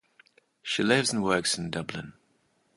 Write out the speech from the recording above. She lives and works in Dublin.